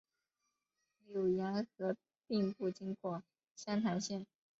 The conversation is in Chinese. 浏阳河并不经过湘潭县。